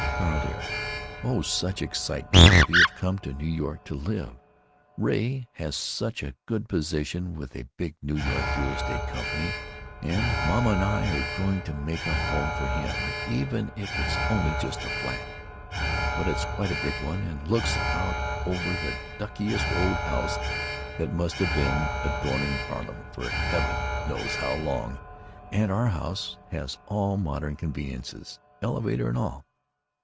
Carl dear,—Oh such excitement, we have come to New York to live! Ray has such a good position with a big NY real estate co. & Mama & I are going to make a home for him even if it's only just a flat (but it's quite a big one & looks out on the duckiest old house that must have been adorning Harlem for heaven knows how long,) & our house has all modern conveniences, elevator & all.